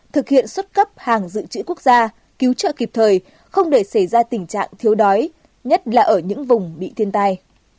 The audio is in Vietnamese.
thực hiện xuất cấp hàng dự trữ quốc gia cứu trợ kịp thời không để xảy ra tình trạng thiếu đói nhất là ở những vùng bị thiên tai